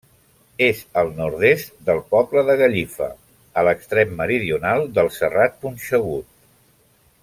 És al nord-est del poble de Gallifa, a l'extrem meridional del Serrat Punxegut.